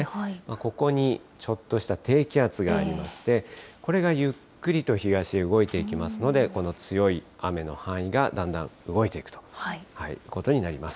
ここにちょっとした低気圧がありまして、これがゆっくりと東へ動いていきますので、この強い雨の範囲がだんだん動いていくということになります。